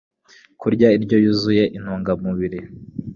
Kurya indyo yuzuye intungamubiri